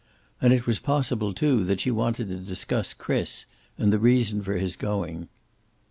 And it was possible, too, that she wanted to discuss Chris, and the reason for his going.